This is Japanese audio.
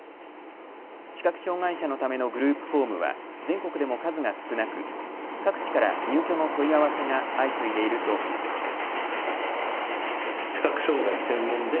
視覚障害者のためのグループホームは全国でも数が少なく、各地から入居の問い合わせが相次いでいるということです。